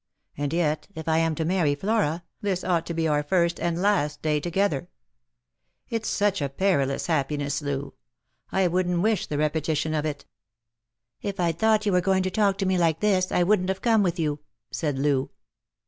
And yet, if I am to marry Flora, this ought to be our first and last day together. It's JLost for hove. Ill such a perilous happiness, Loo. I wouldn't wish the repetition of it." " If I'd thought you were going to talk to me like this, I •wouldn't have come with you," said Loo.